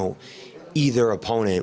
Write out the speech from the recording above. maka itu akan menang